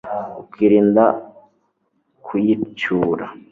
Ukirinda kuyicyura